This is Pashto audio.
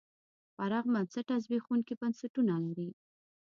پراخ بنسټه زبېښونکي بنسټونه لري.